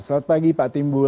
selamat pagi pak timbul